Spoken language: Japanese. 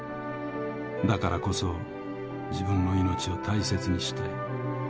だからこそ自分のいのちを大切にしたい。